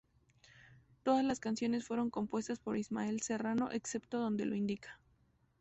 Todas las canciones fueron compuestas por Ismael Serrano, excepto donde lo indica.